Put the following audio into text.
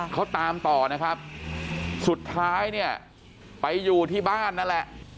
เขาตามต่อนะครับสุดท้ายเนี่ยไปอยู่ที่บ้านนั่นแหละ